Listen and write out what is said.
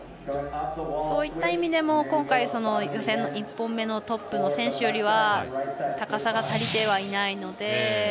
そういった意味でも今回予選の１本目のトップの選手よりは高さが足りてはいないので。